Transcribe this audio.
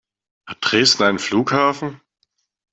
Hat Dresden einen Flughafen?